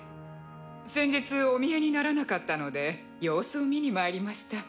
先日お見えにならなかったので様子を見に参りました。